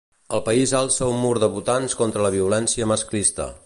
El país alça un mur de votants contra la violència masclista.